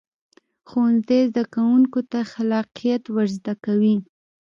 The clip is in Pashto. ښوونځی زده کوونکو ته خلاقیت ورزده کوي